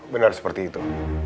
benar seperti itu